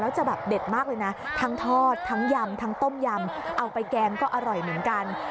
แล้วจะแบบเด็ดมากเลยนะทั้งทอดทั้งยำทั้งต้มยำเอาไปแกงก็อร่อยเหมือนกัน